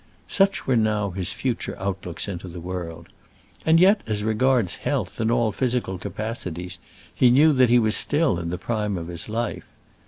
Such were now his future outlooks into the world; and yet, as regards health and all physical capacities, he knew that he was still in the prime of his life.